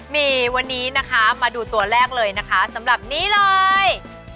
มีวันนี้นะคะมาดูตัวแรกเลยนะคะสำหรับนี้เลย